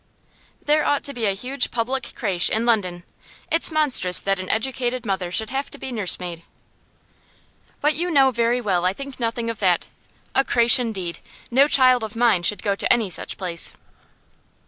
'There ought to be a huge public creche in London. It's monstrous that an educated mother should have to be nursemaid.' 'But you know very well I think nothing of that. A creche, indeed! No child of mine should go to any such place.